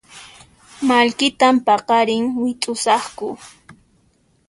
Mallkitan paqarin wit'usaqku